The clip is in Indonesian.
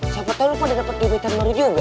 siapa tau lo pada dapet di wtmri juga